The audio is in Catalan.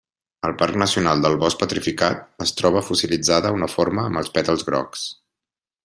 Al Parc Nacional del Bosc Petrificat es troba fossilitzada una forma amb els pètals grocs.